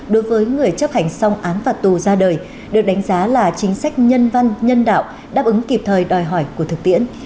đối với người chấp hành xong án phạt tù ra đời được đánh giá là chính sách nhân văn nhân đạo đáp ứng kịp thời đòi hỏi của thực tiễn